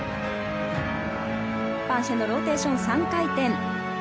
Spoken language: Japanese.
パンシェのローテーション、３回転。